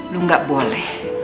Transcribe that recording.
lu gak boleh